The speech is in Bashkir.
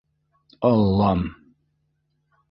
Аллам!